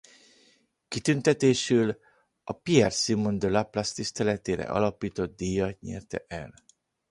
Kitüntetésül a Pierre-Simon de Laplace tiszteletére alapított díjat nyerte el.